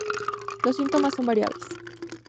Los síntomas son variables.